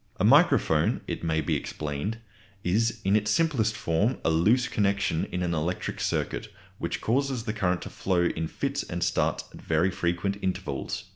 A microphone, it may be explained, is in its simplest form a loose connection in an electric circuit, which causes the current to flow in fits and starts at very frequent intervals.